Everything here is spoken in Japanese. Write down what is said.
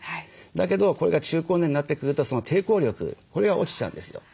だけどこれが中高年になってくるとその抵抗力これが落ちちゃうんですよ。